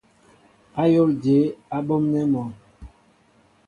Ayól jeé á ɓɔmnέ mɔ ?